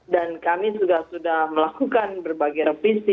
dan kami juga sudah melakukan berbagai reputasi